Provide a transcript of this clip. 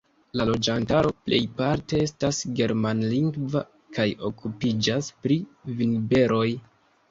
La loĝantaro plejparte estas germanlingva kaj okupiĝas pri vinberoj.